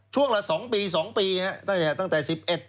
ช่วงละ๒ปี๒ปีตั้งแต่๑๑๑๒๑๓๑๔๑๕๑๖